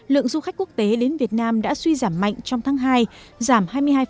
lượng du khách quốc tế đến việt nam đã suy giảm mạnh trong tháng hai giảm hai mươi hai